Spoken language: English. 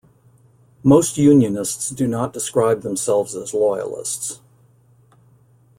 Most unionists do not describe themselves as loyalists.